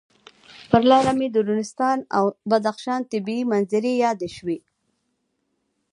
پر لاره مې د نورستان او بدخشان طبعي منظرې یادې شوې.